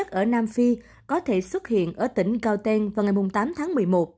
omicron sớm nhất ở nam phi có thể xuất hiện ở tỉnh cao tên vào ngày tám tháng một mươi một